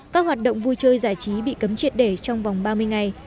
các hoạt động vui chơi giải trí bị cấm triệt để trong vòng ba mươi ngày